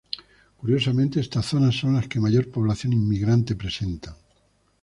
Curiosamente estas zonas son la que mayor población inmigrante presenta.